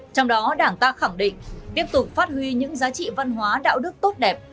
trong đó đảng ta khẳng định tiếp tục phát huy những giá trị văn hóa đạo đức tốt đẹp